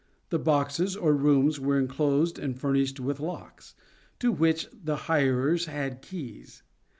The boxes, or rooms, were enclosed and furnished with locks, to which the hirers had keys.